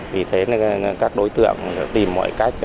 vì thế các đối tượng tìm mọi cách